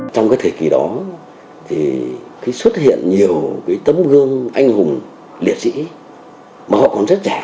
trong cái thời kỳ đó thì xuất hiện nhiều cái tấm gương anh hùng liệt sĩ mà họ còn rất trẻ